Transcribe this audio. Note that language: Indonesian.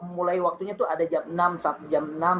mulai waktunya itu ada jam enam jam tujuh